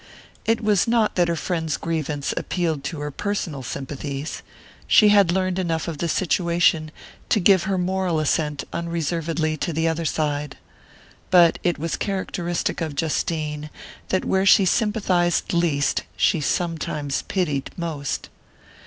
It was not that her friend's grievance appealed to her personal sympathies; she had learned enough of the situation to give her moral assent unreservedly to the other side. But it was characteristic of Justine that where she sympathized least she sometimes pitied most.